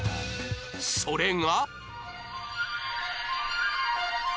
それが